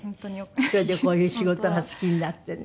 それでこういう仕事が好きになってね。